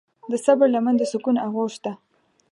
د صبر لمن د سکون آغوش ده.